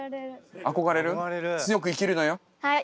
はい。